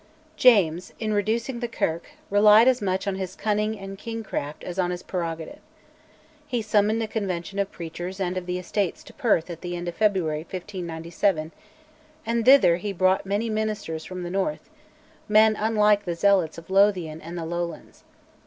James, in reducing the Kirk, relied as much on his cunning and "kingcraft" as on his prerogative. He summoned a Convention of preachers and of the Estates to Perth at the end of February 1597, and thither he brought many ministers from the north, men unlike the zealots of Lothian and the Lowlands.